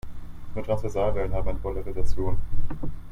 Nur Transversalwellen haben eine Polarisation.